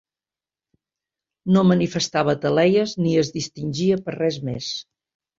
No manifestava taleies, ni es distingia per res més.